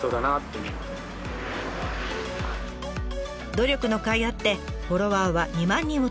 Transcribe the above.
努力のかいあってフォロワーは２万人を突破。